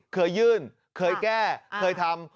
เคยยื่นเคยแก้เคยทำ